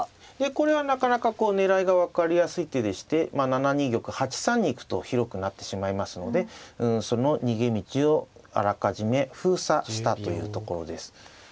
これはなかなかこう狙いが分かりやすい手でして７二玉８三に行くと広くなってしまいますのでその逃げ道をあらかじめ封鎖したというところです。